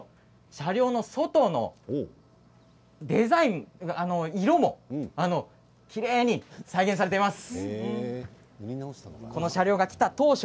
車両の外のデザイン色もきれいに再現されています。